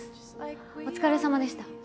お疲れ様でした。